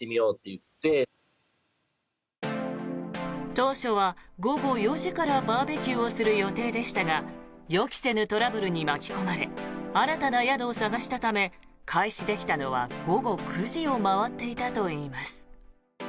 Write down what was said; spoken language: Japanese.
当初は午後４時からバーベキューをする予定でしたが予期せぬトラブルに巻き込まれたため新たな宿を探したため開始できたのは、午後９時を回っていたといいます。